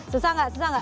susah nggak susah nggak